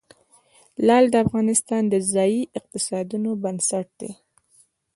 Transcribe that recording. لعل د افغانستان د ځایي اقتصادونو بنسټ دی.